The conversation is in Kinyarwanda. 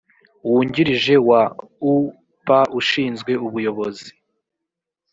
wungirije wa u p ushinzwe ubuyobozi